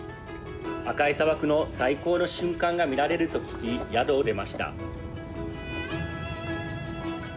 赤い砂漠の最高の瞬間が見られると聞き宿を出ました。